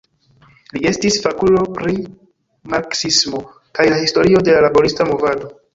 Li estis fakulo pri marksismo kaj la historio de la laborista movado.